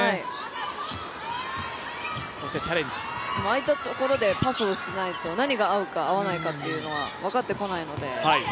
でも、ああいったところでパスをしないと何が合うか合わないかっていうのは分かってこないので。